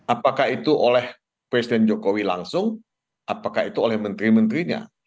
apakah itu oleh presiden jokowi langsung apakah itu oleh menteri menterinya